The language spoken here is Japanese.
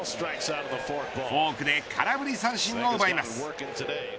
フォークで空振り三振を奪います。